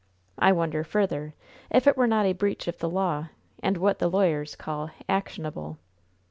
I wonder, further, if it were not a breach of the law, and what the lawyers call 'actionable'?"